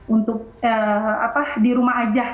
untuk di rumah aja